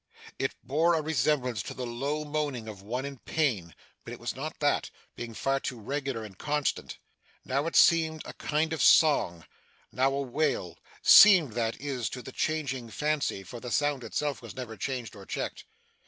It bore a resemblance to the low moaning of one in pain, but it was not that, being far too regular and constant. Now it seemed a kind of song, now a wail seemed, that is, to his changing fancy, for the sound itself was never changed or checked.